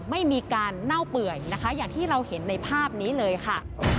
ไม่มีการเน่าเปื่อยนะคะอย่างที่เราเห็นในภาพนี้เลยค่ะ